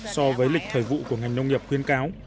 so với lịch thời vụ của ngành nông nghiệp khuyên cáo